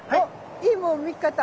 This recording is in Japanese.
いいもん見っけた。